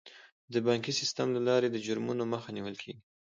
د بانکي سیستم له لارې د جرمونو مخه نیول کیږي.